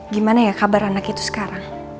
gimana ya kabar anak itu sekarang